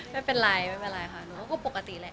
ไม่เป็นไรค่ะมันก็ปกติแหละ